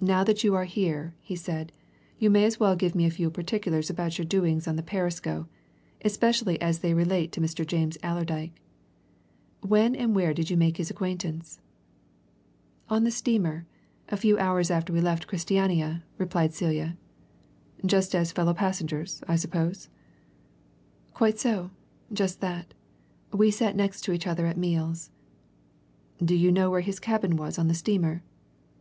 "Now that you are here," he said, "you may as well give me a few particulars about your doings on the Perisco, especially as they relate to Mr. James Allerdyke. When and where did you make his acquaintance?" "On the steamer a few hours after we left Christiania," replied Celia. "Just as fellow passengers, I suppose?" "Quite so just that. We sat next to each other at meals." "Do you know where his cabin was on the steamer?"